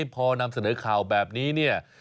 พอนำเสนอข่าวแบบนี้